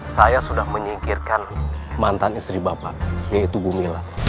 saya sudah menyingkirkan mantan istri bapak yaitu gumila